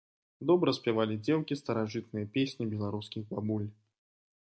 Добра спявалі дзеўкі старажытныя песні беларускіх бабуль.